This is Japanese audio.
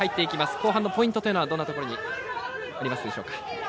後半のポイントというのはどんなところになるでしょうか？